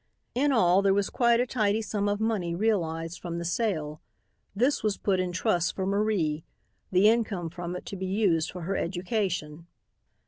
In all there was quite a tidy sum of money realized from the sale. This was put in trust for Marie, the income from it to be used for her education.